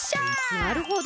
なるほど。